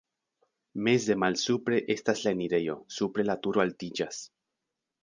Meze malsupre estas la enirejo, supre la turo altiĝas.